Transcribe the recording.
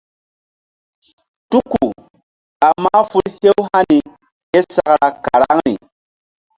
Tuku ɓa mahful hew hani késakra karaŋri.